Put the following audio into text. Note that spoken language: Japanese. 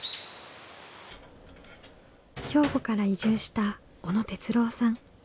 兵庫から移住した小野哲郎さん。